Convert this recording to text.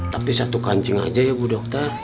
tapi satu kancing aja ya bu dokter